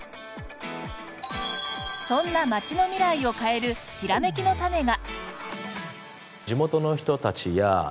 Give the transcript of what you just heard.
そんな町の未来を変えるヒラメキのタネが。